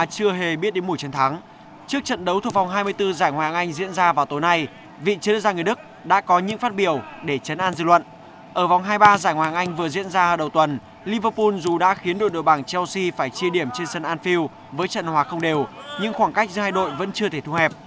chia điểm trên sân anfield với trận hóa không đều nhưng khoảng cách giữa hai đội vẫn chưa thể thu hẹp